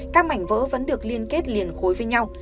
các mảnh vỡ vẫn được liên kết liền khối với nhau